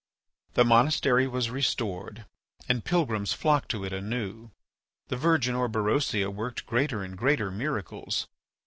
The monastery was restored and pilgrims flocked to it anew. The virgin Orberosia worked greater and greater miracles.